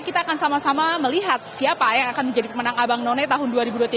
kita akan sama sama melihat siapa yang akan menjadi pemenang abang none tahun dua ribu dua puluh tiga